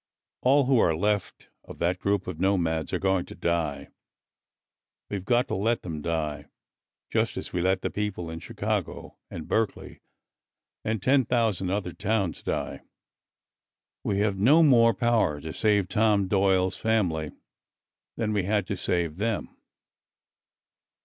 "All who are left of that group of nomads are going to die. We've got to let them die, just as we let the people in Chicago and Berkeley and ten thousand other towns die. We have no more power to save Tom Doyle's family than we had to save them."